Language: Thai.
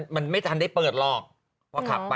มันไม่ทันได้เปิดหรอก